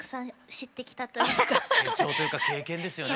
成長というか経験ですよね。